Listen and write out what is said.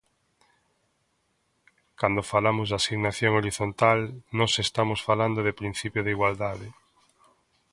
Cando falamos de asignación horizontal, nós estamos falando do principio de igualdade.